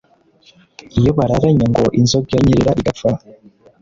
iyo bararanye ngo inzoga iranyerera igapfa